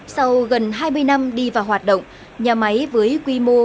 sau gần hai mươi năm đi và hoạt động nhà máy với quy mô ba mươi năm m hai và hơn ba trăm linh lao động